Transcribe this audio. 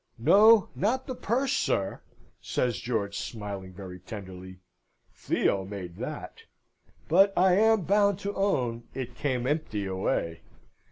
"No, not the purse, sir," says George, smiling very tenderly. "Theo made that. But I am bound to own it came empty away.